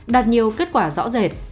đạt nhiều kết quả rõ rệt